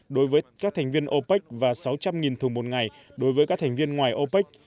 đối với các thành viên opec và sáu trăm linh thùng một ngày đối với các thành viên ngoài opec